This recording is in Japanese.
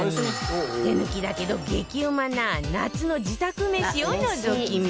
手抜きだけど激うまな夏の自宅めしをのぞき見